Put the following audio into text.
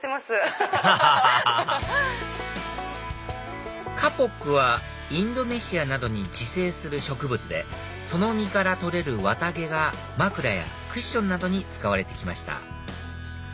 ハハハハカポックはインドネシアなどに自生する植物でその実から取れる綿毛が枕やクッションなどに使われて来ました